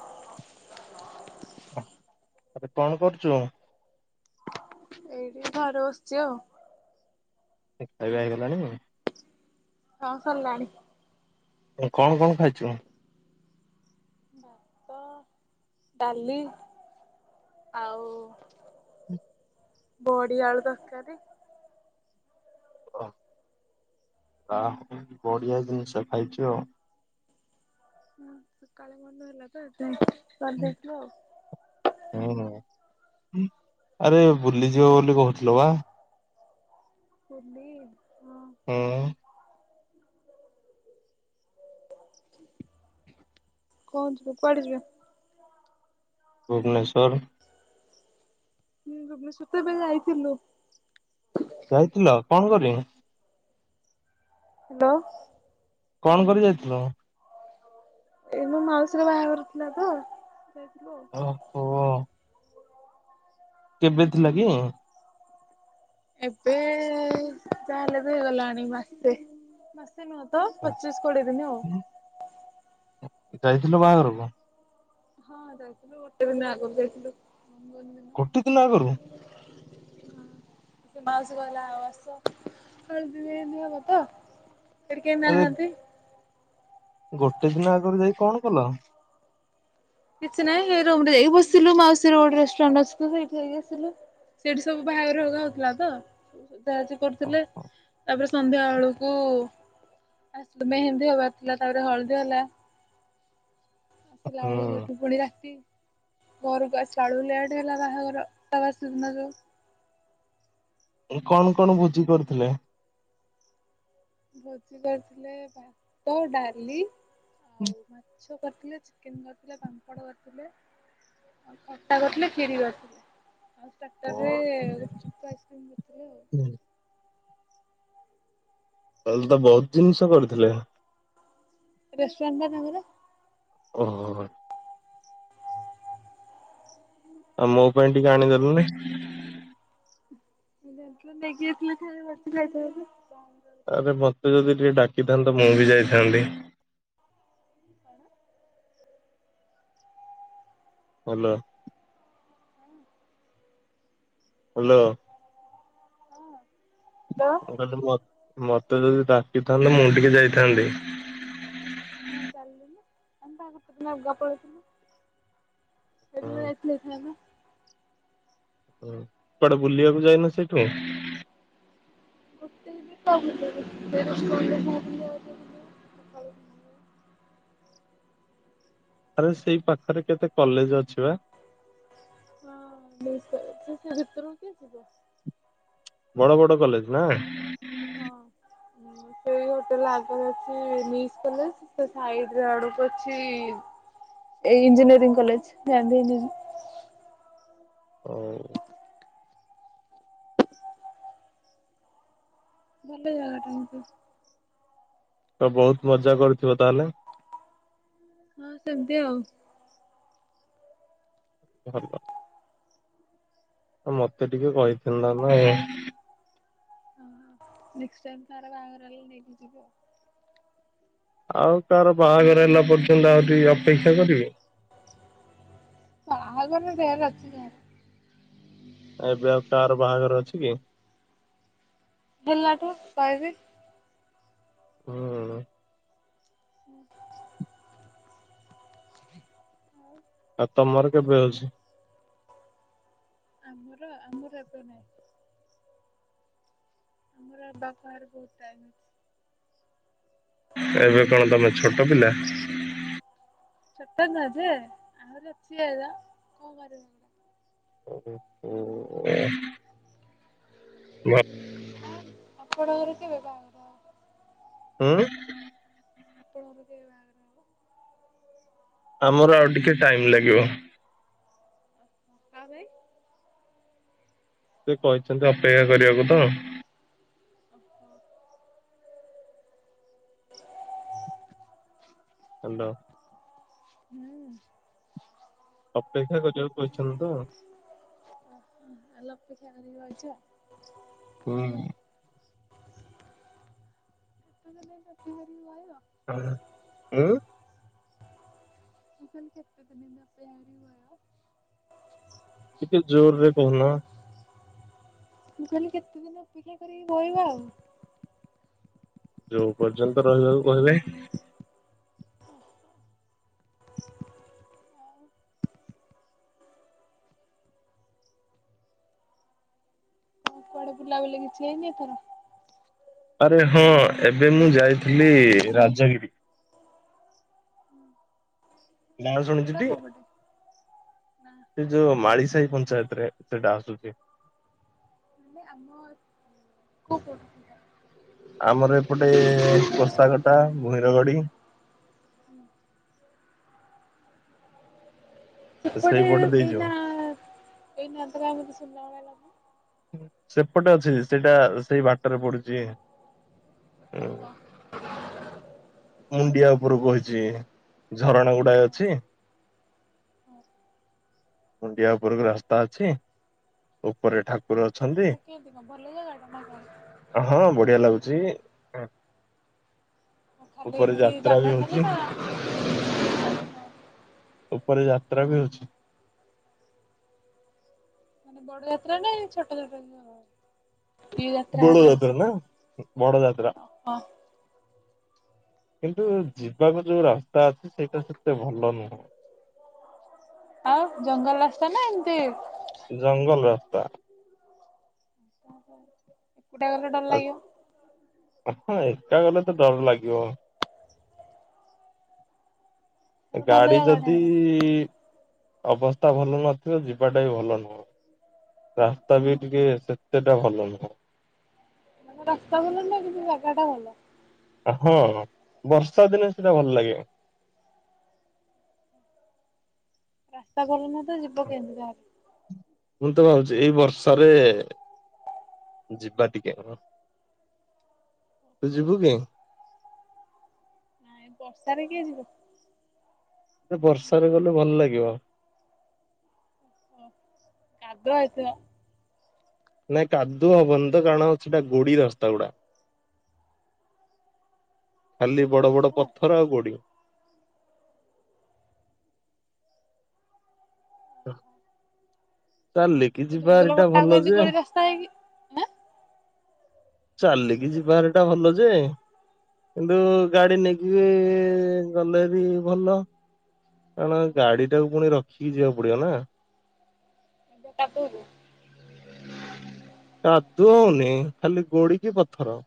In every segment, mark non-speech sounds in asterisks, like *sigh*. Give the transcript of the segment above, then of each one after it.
ହଁ ଆରେ କଣ କରୁଚୁ? ଏଇଠି ଘରେ ବସିଚି ଆଉ। ଖାଇବା ହେଇଗଲାଣି? ହଁ ସରିଲାଣି। ଏ କଣ କଣ ଖାଇଛୁ? ଭାତ, ଡାଲି, ଆଉ ହୁଁ, ବଡ଼ି, ଆଳୁ ତରକାରୀ। ଓ ଆହା ବଢିଆ ଜିନିଷ ଖାଇଛୁ ଆଉ। ହୁଁ ସକାଳେ ମନ ହେଲା ତ ସେଥିପାଇଁ କରି ଦେଇଥିଲୁ ଆଉ। ହୁଁ ଆରେ ବୁଲିଯିବ ବୋଲି କହୁଥିଲ ବା। ବୁଲି ହଁ। ହଁ। କଣ ଯିବୁ କୁଆଡେ ଯିବା? ଭୁବନେଶ୍ୱର। ମୁଁ ଭୁବନେଶ୍ୱର ତ ଏବେ ଯାଇଥିଲୁ। ଯାଇଥିଲ କଣ କଲି? ହାଲ। କଣ କରି ଯାଇଥିଲ? ଏଇନା ମାଉସୀର ବାହାଘର ଥିଲା ତ। ଯାଇଥିଲୁ ଆଉ। କେବେଥିଲା କି? ଏବେ ଯାହା ହେଲେ ବି ହେଇଗଲାଣି ମାସେ, ମାସ ଏତେ ନୁହଁ ତ ପଚିଶ କୋଡିଏ ଦିନି ଆଉ। ଯାଇଥିଲ ବାହାଘରକୁ? ହଁ ଯାଇଥିଲୁ ଗୋଟେ ଦିନ ଆଗରୁ ଯାଇଥିଲୁ। ରଙ୍ଗନ ଗୋଟେ ଦିନ ଆଗରୁ। ହଁ ସେ ମାଉସୀ କହିଲା ଆଉ ଆସ ହଳଦୀ ମେହେନ୍ଦି ହବତ। ସେଇଠି କେହି ଆରେ ନାହାନ୍ତି। ଗୋଟେ ଦିନ ଆଗରୁ ଯାଇ କଣ କଲ। କିଛି ନାଇଁ ହେ ରୁମ ରେ ଯାଇକି ବସିଲୁ ମାଉସୀ ର ଗୋଟେ ରେୁରାଣ୍ଟ ଅଛି ସେଇଠି ଯାଇକି ବ। ସେଇଠି ସବୁ ବାହାଘର ହଗା ହଉଥିଲା ତ ସାହାଯ୍ୟ କରୁଥିଲେ। ତାପରେ ସନ୍ଧ୍ୟା ବେଳକୁ ଆସିଲୁ ମେହେନ୍ଦୀ ହବାର ଥିଲା ତାପରେ ହଳଦୀ ହେଲା। ଆସିଲା ହୁଁ। ବେଳକୁ ସେଠୁ ପୁଣି ରାତି ଘରୁକୁ ଆସିଲା ବଳୁ ଲେଟ ହେଲା ବାହାଘର ତା ବାସିଦିନ ଯଉ। କଣ କଣ ଭୋଜି କରିଥିଲେ? ଭୋଜି କରିଥିଲେ ଭାତ ଡାଲି ହଉ ମତେ ମାଛ କରିଥିଲେ ଚିକେନ କରିଥିଲେ ପାପଡ଼ କରିଥିଲେ। ଆଉ ଖଟା କରିଥିଲେ ଖରି କରିଥିଲେ। ଆଉ ଷ୍ଟାଟର ରେ ଗୁପ୍ ଚୁପ୍ କୁ ଆଇସ କ୍ରିମ୍ କରିଥିଲେ ଆଉ। ତାହେଲେ ତ ବହୁତ ଜିନିଷ କରିଥିଲେ। ରେସ୍ଟୁରାଣ୍ଟ ପା ତାଙ୍କର। ଓହୋ। ଆଉ ମୋ ପାଇଁ ଟିକେ ଆଣିଦେଲୁନି। ନେଇେକି ଖ ବ ଖ *inaudible* ଆରେ ମତ ତୁ ଯଦି ଟିକେ ଡାକିଥାନ୍ତତା ମୁଁ ବି ଯାଇଥାନ୍ତି। କଣ? Hall hello. ମୁଁ କହିଲି ମୁଁ ମତେ ଯଦି ଡାକିଥାନ୍ତେ ମୁଁ ଟିକେ ଯାଇଥାନ୍ତି। ମୁଁ ଚାଲୁନୁ। ଆମେ ବା ଗୋଟେ ଦିନ ଆଗୁଆ ପଳାଇଥିଲୁ। ସେଇଦିନ ଯାଇଥିଲେ ହେଇଥାନ୍ତା। କୁଆଡେ ବୁଲିବାକୁ ଯାଇନ ସେଇଠୁ ଆଉ। ଗୋଟେ ବି କ *inaudible* ଆରେ ସେଇ ପାଖରେ କେତେ କଲେଜ ଅଛି ବା। ହଁ ବେଶିତ ଅଛି ସେ ଭିତରକୁ କିଏ ଯିବ। ବଡ ବଡ କଲେଜ ନା? ହଁ। ସେଇ ଗୋଟେ ଆଗରେ ନିଡ୍ କଲେଜ ସେ ସାଇଡ ଆଡ଼କୁ ଅଛି ଇଞ୍ଜିନିୟରିଂ କଲେଜ ଗାନ୍ଧୀ ଇଞ୍ଜିନିୟରିଂ। ହଉ ଭଲ ଜାଗା ଟା କିନ୍ତୁ। ତ ବହୁତ ମଜା କରୁଥିବ ତାହେଲେ? ହଁ ସେମିତି ଆଉ। ଭଲ ମତେ ଟିକେ କହିଥାନ୍ତ ନା। ଓହୋ ନେଷ୍ଟ୍ ଟାଇମ୍ ଯାହାର ବାହାଘର ହେଲେ ନେଇକି ଯିବି ଆଉ। ଆଉ ତାର ବାହାଘର ହେଲା ପରେ ତ *inaudible* ଅପେକ୍ଷା କରିବି। ବାହାଘର *unintelligible* ଏବେ ଆଉ କାହାର ବାହାଘର ଅଛି କି? *inaudible* *unintelligible* କହିବି। ହୁଁ। ହୁଁ। ଆଉ ତମର କେବେ ହଉଛି? *inaudible* ଆମର ଆମର ଏବେ ନାହିଁ। *inaudible* ଆମର ବାପଘରେ ବହୁତ ଟାଇମ୍ ଅଛି। *inaudible* ଏବେ କଣ ତମେ ଛୋଟ ପିଲା? ଛୋଟ ନୁହେଁ ଯେ ଆହୁରି ଅଛି ଏଜ୍ କଣ କରିବୁ? ଓ ହୋ। ଭା ଆପଣଙ୍କର କେବେ ବାହାଘର ହବ? ଉଁ। ଆପଣଙ୍କର କେବେ ବାହାଘର ହବ? ଆମର ଆଉ ଟିକେ ଟାଇମ ଲାଗିବ। କଣ ପାଇଁ? ସେ କହିଛନ୍ତି ଅପେକ୍ଷା କରିବାକୁ ତ। ଓ ହୋ *unintelligible* ହଣ୍ଡ ହୁଁ। ଅପେକ୍ଷା କରିବାକୁ କହିଛନ୍ତି ତ। ଓ ତାହେଲେ ଅପେକ୍ଷା କରିକି ରହିଛ। ହୁଁ। *unintelligible* କେତେ ଦିନି ଏମିତି ଅପେକ୍ଷା କରିକି ରହିବ? ଆଁ ଉଁ। ମୁଁ କହିନି କେତେ ଦିନି ଏମିତି ଅପେକ୍ଷା କରିକି ରହିବ? ଟିକେ ଜୋରରେ କୋହୁନ? ମୁଁ କହିଲି କେତେ ଦିନି ଅପେକ୍ଷା କରିକି କହିବା ଆଉ? *inaudible* ଯୋଉ ପର୍ଯ୍ୟନ୍ତ ରହିବାକୁ କହିବେ। ଓହୋ ଆଉ। *unintelligible* କଣ କୁଆଡେ ବୁଲା ବୁଲି କିଛି ହେଇନି ଏଥର? ଆରେ ହଁ ଏବେ ମୁଁ ଯାଇଥିଲି ରାଜଗିରି। ନା ସେଟା ଶୁଣିଚୁଟି କୋଉ ପଟେ? ନା *inaudible* ସେ ଯୋଉ ମାଳି ସାହି ପଞ୍ଚାୟତ ରେ ସେଟା ଆସୁଛି। *inaudible* ଆମ- *unintelligible* ଆମର ଏପଟେ କୋଷାକଟା ଭୂଇଁରଗଡି। ହୁଁ। ସେପଟେ ସେଇପଟେ ଦେଇଯିବ ଏଇନା ଏଇନା କା *unintelligible* ସେପଟେ ଅଛି ସେଇଟା ସେଇ ବାଟରେ ପଡୁଛି। ହଁ। ଓହୋ ମୁଣ୍ଡିଆ ଉପର ବହିଛି ଝରଣା ଗୁଡାଏ ଅଛି। ହୁଁ। ମୁୁଣ୍ଡିଆ ଉପରକୁ ରାସ୍ତା ଅଛି ଉପରେ ଠାକୁ ମାନେ କେମିତି କ ଭଲ ଜାଗାଟା ନା ହଁ ବଢିଆ କଣ ଲାଗୁଛି ଖାଲି ଉପରେ ଏମିତି ଯାତ୍ରା ବି ଜାଗା ଖଲି ହଉଛି ନା ଉପରେ ଯାତ୍ରା ବି ହଉଛି। ମାନେ ବଡ ଯାତ୍ରା ନା ଏମିତି ଛୋଟ ଯା ବୋଡ ଯାତ୍ରା ନା ବଡ ଯାତ୍ରା। ଓହୋ କିନ୍ତୁ ଯିବାକୁ ଯୋଉ ରା ଟାକ୍ସ ସେଇଟା ସେତେ ଭଲ ନୁହୁଁ। ଆଉ ଜଙ୍ଗଲ ରାସ୍ତାନା ଏମତି ଜଙ୍ଗଲ ରାସ୍ତା। କଣ କହିଲେ ସେ ଏକୁଟିଆ ଗଲେ ଡର ଲାଗିବ। ହଁ ଏକା ଗଲେ ତ ଡର ଲାଗିବ। ତାର ଭଲ ଗାଡି ଜାଗାଟା ଯଦି ହେଟା। ଇ ଇ ଅବସ୍ଥା ଭଲ ନଥିବ ଯିବାଟା ବି ଭଲ ନୁହଁ। ରାସ୍ତା ବି ଟିକେ ସେତେ ଭଲ ନୁହଁ। ମାନେ ରାସ୍ତା ଭଲ ନୁହଁ କିନ୍ତୁ ଜାଗାଟା ଭଲ। ହଁ ବର୍ଷା ଦିନେ ସେଟା ଭଲ ଲାଗେ। ରାସ୍ତା ଭଲ ନା ଯିବ କେମିତି ତାହେଲେ ମୁଁ ତ ଭାବୁଛି ଏଇ ବର୍ଷାରେ ଯିବା ଟିକେ କ ତୁ ଯିବୁ କି? ନାଇଁ ବର୍ଷାରେ କିଏ ଯିବ। ଏ ବର୍ଷାରେ ଗଲେ ଭଲ ଲାଗିବ। ଓ କାଦୁଅ ହେଇଥିବ। ନାଇ କାଦୁଅ ହବନି ତ କାରଣ ସେଟା ଗୋଡି ରାସ୍ତା ଗୁଡା। ଖାଲି ଗୋଡି ବଡ ବଡ ରାସ୍ତା ପଥର ଆଉ ଗୋଡିି। *unintelligible* ଜଙ୍ଗଲ ଯିବାହାରିଟା ଭଲ ବଟାକୁ ଏମିତି ଯେ ଗାଳି ରାସ୍ତା ହେଇକି ନା ଚାଲିକି ଯିବାର ଟା ଭଲ ଯେ କିନ୍ତୁ ଗାଡି ନେଇକି ବି ଗଲେବି ଭଲ। କାରଣ ଗାଡି ଟାକୁ ପୁଣି ରଖିକି ଯିବାକୁ ପଡିବ ନା ଏମିତିଆ କାଦୁଅକୁ। କାଦୁଅ ହଉନି ଖାଲି ଗୋଡିକି ପଥର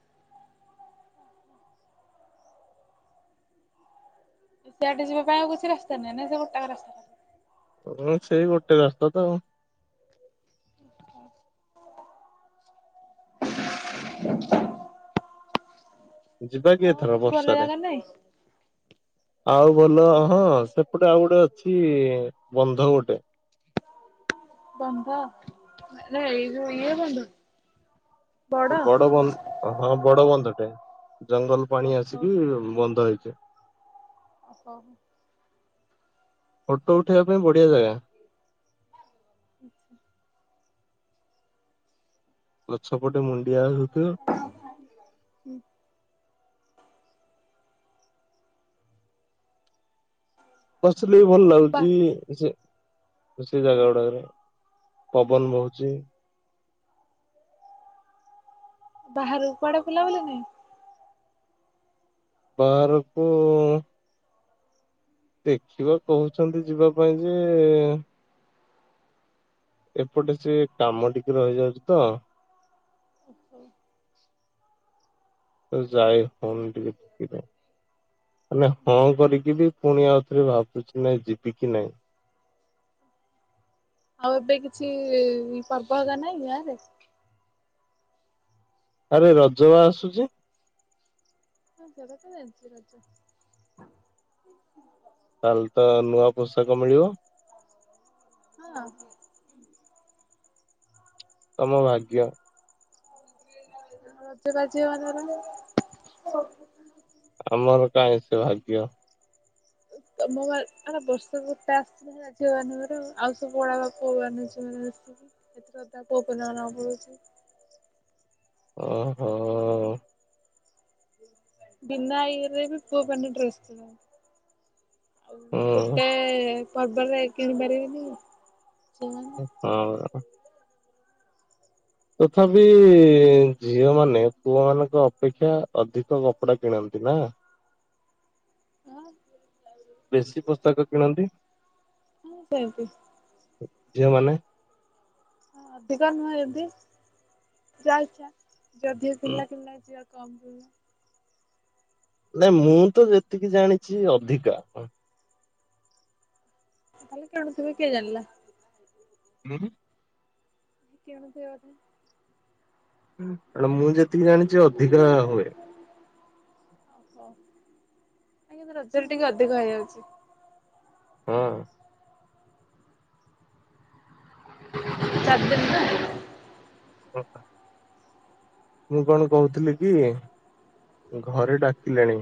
ସେଆଡେ ଯିବା ପାଇଁ ଆଉ କିଛି ରାସ୍ତା ନୁହଁ ନଁ ଗୋଟାକ ରାସ୍ତା ଓ ସେଇ ଗୋଟେ ରାସ୍ତା ତ ଆଉ ଯିବା କିଏ ଆଉ ଥର କିଛି ଭଲ ବର୍ଷାରେ ଜାଗା ନାହିଁ ଆଉ ଭଲ ହଁ ସେପଟେ ଆଉ ଗୋଟେ ଅଛି ବନ୍ଧ ଗୋଟେ ବନ୍ଧ ଏଇ ଯୋଉ ଇଏ ବନ୍ଧ ବଡ ବନ୍ ହଁ ବଡ ବନ୍ଧ ଟାଏ। ଜଙ୍ଗଲ ପାଣି ଓହୋ ଆସିକି ବନ୍ଦ ହେଇଚି। *unintelligible* ଓହୋ। ଫଟୋ। ଉଠିବା ପାଇଁ ବଢିଆ ଜାଗା। ଗଛ। ପଟେ ମୁଣ୍ଡିଆ ହଉଥିବ *unintelligible* ହୁଁ। ବସିଲେ ବି ଭଲ ବା ଲାଗୁଚି ସେ ସେ ଜାଗା ହଁ ଗୁଡାକରେ ପବନ ବହୁଚି ବାହାରୁ କୁଆଡେ ବୁଲା ବୁଲି ନାଇ ବାହାରକୁ ଦେଖିବା କହଚନ୍ତି ଯିବା ପାଇଁ ଯେ ଏପଟେ ସେ କାମ ଟିକେ ରହିଯାଉଚି ତ ନାହିଁ? ତ ଯାଇ ହଉନି ଟିକେ କେ। ହେଲା ହଁ କରିକି ବି ପୁଣି ଆଉଥରେ ଭାବୁଚି ନାଇଁ ଯିବି କିି ନାଇଁ ଆଉ ଏବେ କିଛି ପର୍ବ ହେବାର ନାଇଁ ଗାଁରେ? ଆରେ ରଜ ବା ଆସୁଚି। ହଁ *unintelligible* ଏତି ରଜ ତାହଲେ ତ ନୂଆ ପୋଷାକ ମିଳିବ। ହଁ। ତମ ଭାଗ୍ୟ। ର ବାଜି ମାନର *unintelligible* ଆମର କାଇଁ ସେ ଭାଗ୍ୟ? ମୋ ଆ ବର୍ଷ ଗଟା ଆସିଥିଲା ଯେ ଝିଅ ବାହାଘର ଆଉ ସବୁ *unintelligible* ପୁଅ ଝିଅମାନେ ବାହା ଏଥର *unintelligible* ଓ ହୋ। ବିନା ଇଏ ରେ ବି ପୁଅ ମାନେ ଡ୍ରେସ *unintelligible* ଆଉ ଗୋଟେ ହୁଁ କେ ପର୍ବରେ କିଣିିବାରିବେନି। ଓ ହୋ। ତଥାପି ଝିଅ ମାନେ ପୁଅ ମାନଙ୍କ ଅପେକ୍ଷା ଅଧିକ କପଡା କିଣନ୍ତି ନା? ହଁ ବେଶୀ ପୋଷାକ କିଣନ୍ତି। ହଁ ସେମିତି ଝିଅମାନେ। ହଁ ଅଧିକା ନୁହ ଏ ବି, ଯାଆ ଇଚ୍ଛା। ଯଦି ପିଲା ଫିଲା ଯିଏ ଅ *unintelligible* ନାଇଁ ମୁଁ ତ ଯେତିକି ଜାଣିଚି ଅଧିକା କାଲି *unintelligible* କିଏ ଜାଣିଲା? ହୁଁ। କିଣୁଥିବେ ବଧେ। କଣ ମୁଁ ଯେତିକି ଜାଣିଛି ଅଧିକା ହୁଏ। ଆଜ୍ଞା ରଜରେ ଟିକେ ଅଧିକ ହେଇଯାଉଛି। ହୁଁ। ଚାରି ଦିନି ବା। *inaudible* ମୁଁ କଣ କହୁଥିଲି କି ଘରେ ଡାକିଲେଣି।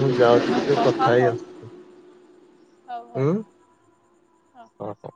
ମୁଁ ଯାଉଛି। ଟିକେ ଓହୋ କଥା ହଉ ହେଇ ହଉ ଆସୁଛି। ହଉ ହଉ ହୁଁ ହଉ। ଓ ହୋ।